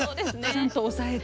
ちゃんと押さえて。